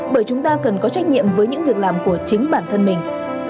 bởi chúng ta cần có trách nhiệm với những việc làm của chính bản thân mình